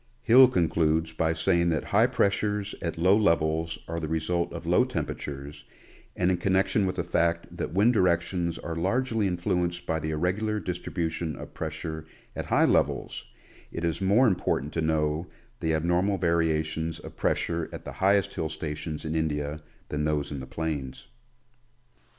Hill concludes by saying that high pressures at low levels are the result of low temperatures, and in connection with the fact that wind directions are largely influenced by the irregular distribution of pressure at high levels, it is more important to know the abnormal variations of pressure at the highest hill stations in India than those in the plains.